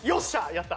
やった！